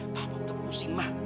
papa udah pusing ma